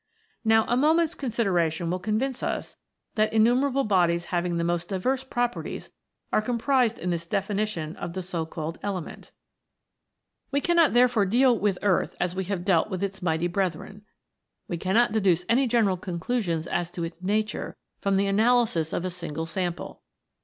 Now a moment's consideration will convince us that innumerable bodies having the most diverse properties are comprised in this defi nition of the so called element. 46 THE FOUR ELEMENTS. We cannot therefore deal with Earth as we have dealt with its mighty brethren ; we cannot deduce any general conclusions as to its nature from the analysis of a single sample.